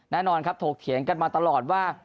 แน่นอนครับถกเถียงกันมาตลอดว่า